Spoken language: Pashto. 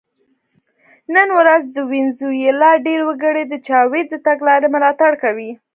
نن ورځ د وینزویلا ډېر وګړي د چاوېز د تګلارې ملاتړ کوي.